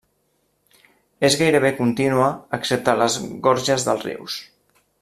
És gairebé contínua excepte a les gorges dels rius.